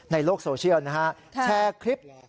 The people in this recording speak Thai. ในโลกโซเชียลนะฮะแชร์คลิป